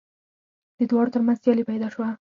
د دواړو تر منځ سیالي پیدا شوه